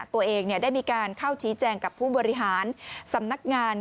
ตัวเองได้มีการเข้าชี้แจงกับผู้บริหารสำนักงาน